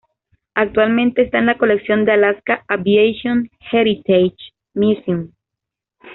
Actualmente está en la colección del Alaska Aviation Heritage Museum.